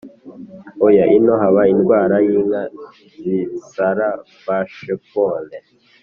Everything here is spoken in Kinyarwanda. oya ino haba indwara y'inka zisara(vache folle).